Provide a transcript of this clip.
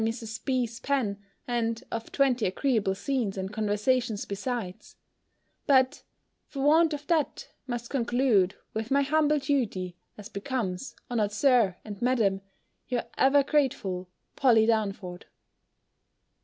's pen, and of twenty agreeable scenes and conversations besides: but, for want of that, must conclude, with my humble duty, as becomes, honoured Sir, and Madam, your ever grateful POLLY DARNFORD.